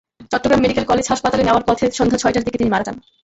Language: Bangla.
চট্টগ্রাম মেডিকেল কলেজ হাসপাতালে নেওয়ার পথে সন্ধ্যা ছয়টার দিকে তিনি মারা যান।